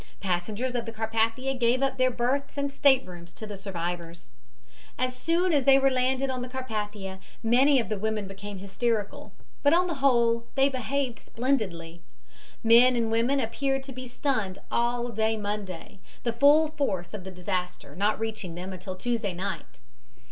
Passengers of the Carpathia gave up their berths and staterooms to the survivors. As soon as they were landed on the Carpathia many of the women became hysterical, but on the whole they behaved splendidly. Men and women appeared to be stunned all day Monday, the full force of the disaster not reaching them until Tuesday night.